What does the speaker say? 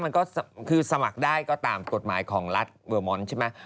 มันก็คือสมัครได้ก็ตามกฎหมายของรัฐเวอร์มอนด์ใช่ไหม